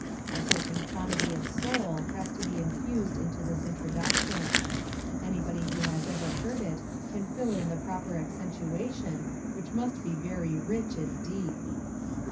A certain quantity of soul has to be infused into this introduction. Anybody who has ever heard it can fill in the proper accentuation, which must be very rich and deep.